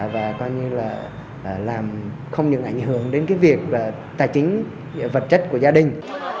và coi như là làm không những ảnh hưởng đến cái việc tài chính vật chất của gia đình